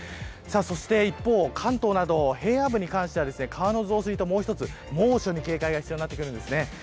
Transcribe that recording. そして一方、関東など平野部に関しては、川の増水と猛暑に警戒が必要になってくるんですね。